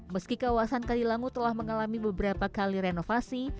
meski kawasan kalilangu telah mengalami beberapa kali renovasi